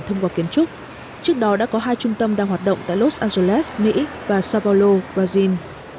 thông qua kiến trúc trước đó đã có hai trung tâm đang hoạt động tại los angeles mỹ và savalo brazil